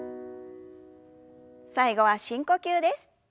最後は深呼吸です。